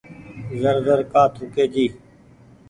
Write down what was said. زر زر ڪآ ٿوُڪي جي۔